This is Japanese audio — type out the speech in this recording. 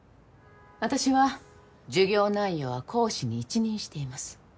私は授業内容は講師に一任しています。